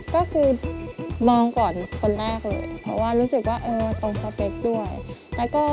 แล้วว่าเห็นตอนแรกรู้สึกยังไงบ้าง